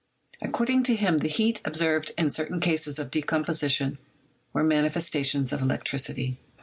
According to him the heat observed in certain cases of decomposition were manifestations of electricity.